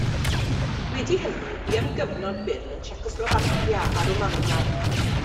Wedi hynny bu am gyfnod byr yn Tsiecoslofacia a Rwmania.